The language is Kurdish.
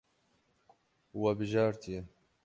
We bijartiye.